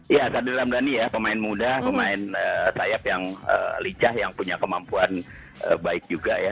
iya sadril ramdhani ya pemain muda pemain sayap yang licah yang punya kemampuan baik juga ya